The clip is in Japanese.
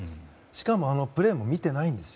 しかも、プレーも見ていないんです。